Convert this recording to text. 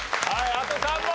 あと３問。